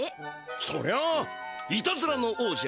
そりゃいたずらの王者